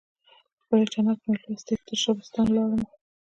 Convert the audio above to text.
خپلې تڼاکې مې لوستي، ترشبستان ولاړمه